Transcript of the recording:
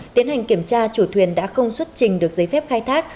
tiến hành kiểm tra chủ thuyền đã không xuất trình được giấy phép khai thác